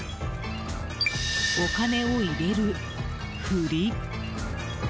お金を入れる振り。